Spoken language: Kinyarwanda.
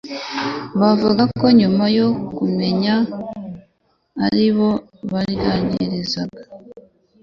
bavuga ko nyuma yo kumenya ko ari bo baryangirizaga